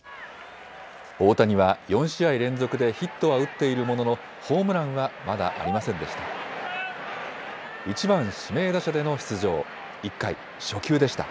大谷は４試合連続でヒットは打っているものの、ホームランはまだありませんでした。